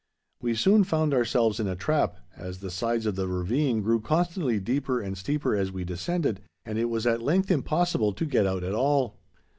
We soon found ourselves in a trap, as the sides of the ravine grew constantly deeper and steeper as we descended, and it was at length impossible to get out at all.